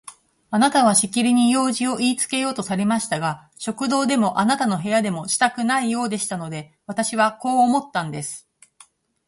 あなたはしきりに用事をいいつけようとされましたが、食堂でもあなたの部屋でもしたくないようでしたので、私はこう思ったんです。